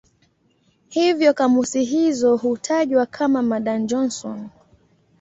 Hivyo kamusi hizo hutajwa kama "Madan-Johnson".